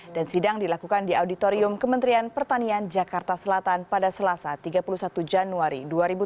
dan sidang dilakukan di auditorium kementerian pertanian jakarta selatan pada selasa tiga puluh satu januari dua ribu tujuh belas